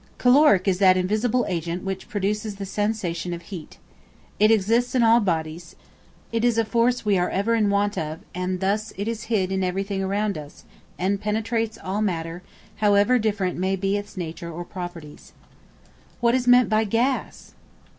Caloric is that invisible agent which produces the sensation of heat. It exists in all bodies; it is a force we are ever in want of, and thus it is hid in everything around us, and penetrates all matter, however different may be its nature or properties. What is meant by Gas?